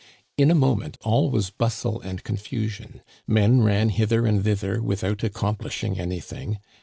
In a moment, all was bustle and confusion. Men ran hither and thither without accomplishing anything.